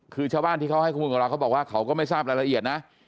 คือชาวบ้านที่เขาให้ข้อมูลกับเราเขาบอกว่าเขาก็ไม่ทราบรายละเอียดนะ